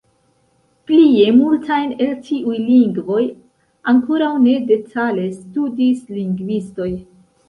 Plie, multajn el tiuj lingvoj ankoraŭ ne detale studis lingvistoj.